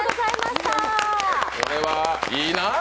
これは、いいなぁ。